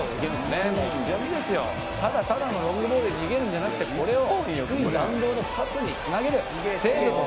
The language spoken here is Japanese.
ただただのロングボールで逃げるんじゃなくてこれを低い弾道でパスに繋げる。